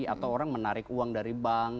atau orang menarik uang dari bank